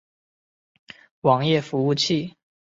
网页服务器。